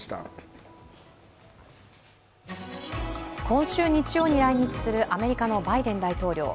今週日曜に来日するアメリカのバイデン大統領。